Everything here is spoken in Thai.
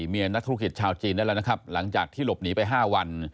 เมียนักธุรกิจชาวจีนได้แล้วนะครับหลังจากที่หลบหนีไป๕วัน